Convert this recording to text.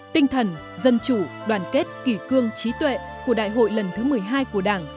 tinh thần dân chủ đoàn kết kỷ cương trí tuệ của đại hội lần thứ một mươi hai của đảng